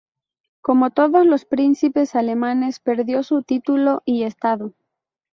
Como todos los príncipes alemanes perdió su título y estado.